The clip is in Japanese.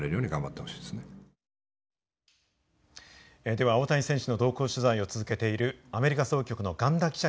では大谷選手の同行取材を続けているアメリカ総局の雁田記者に聞きます。